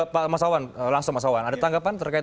pak mas awan langsung mas awan ada tanggapan terkait